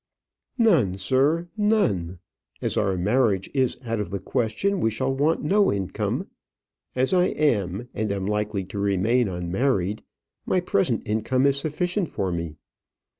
"None, sir; none. As our marriage is out of the question, we shall want no income. As I am, and am likely to remain unmarried, my present income is sufficient for me."